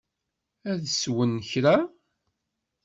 Ad teswem kra?